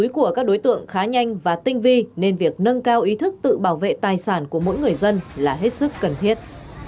các đối tượng khá nhanh và tinh vi nên việc nâng cao ý thức tự bảo vệ tài sản của mỗi người dân là hết sức cần thiết